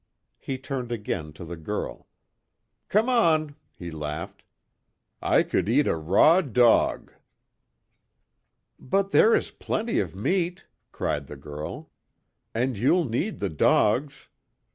He turned again to the girl, "Come on," he laughed, "I could eat a raw dog!" "But, there is plenty of meat!" cried the girl, "And you'll need the dogs!